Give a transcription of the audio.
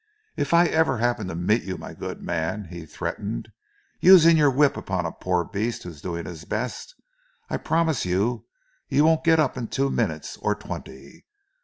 "If ever I happen to meet you, my good man," he threatened, "using your whip upon a poor beast who's doing his best, I promise you you won't get up in two minutes, or twenty....